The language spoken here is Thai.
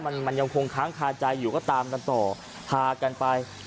มันมันยังคงค้างคาใจอยู่ก็ตามกันต่อพากันไป